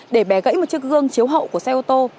để bẻ gãy một chiếc gương chiếu hậu của xe ô tô